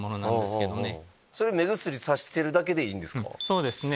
そうですね